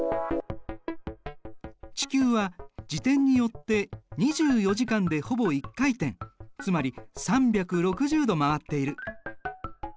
地球は自転によって２４時間でほぼ１回転つまり３６０度回っている。